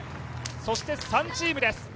そして３チームです。